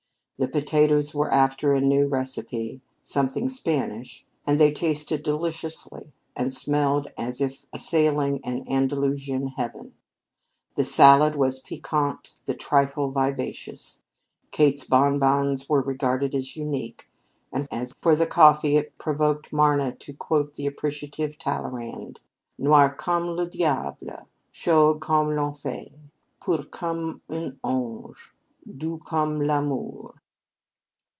The potatoes were after a new recipe, something Spanish, and they tasted deliciously and smelled as if assailing an Andalusian heaven. The salad was piquante; the trifle vivacious; Kate's bonbons were regarded as unique, and as for the coffee, it provoked Marna to quote the appreciative Talleyrand: "Noir comme le diable, Chaud comme l'enfer, Pur comme un ange, Doux comme l'amour."